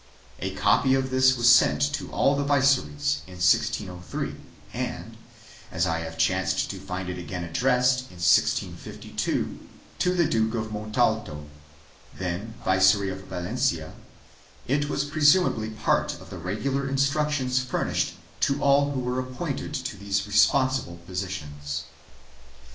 A copy of this was sent to all the viceroys in 1603 and, as I have chanced to find it again addressed, in 1652, to the Duke of Montalto, then Viceroy of Valencia, it was presumably part of the regular instructions fur nished to all who were appointed to these responsible positions.